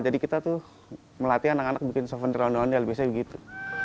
jadi kita tuh melatih anak anak bikin souvenir ondel ondel biasanya begitu